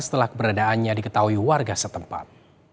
setelah keberadaannya diketahui warga setempat